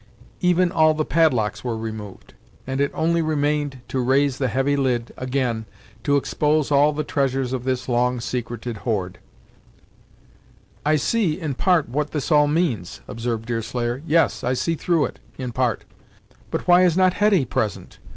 Even all the padlocks were removed, and it only remained to raise the heavy lid, again, to expose all the treasures of this long secreted hoard. "I see, in part, what all this means," observed Deerslayer "yes, I see through it, in part. But why is not Hetty present?